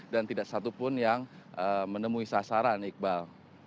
dan tidak satu pun yang menemui sasaran iqbal